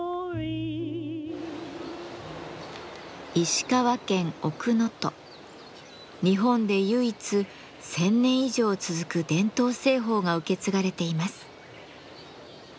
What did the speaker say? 塩鑑賞の小壺は日本で唯一１，０００年以上続く伝統製法が受け継がれています。